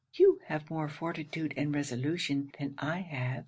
You have more fortitude and resolution than I have.